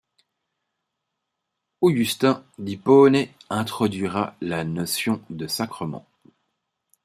Augustin d’Hippone introduira la notion de sacrement.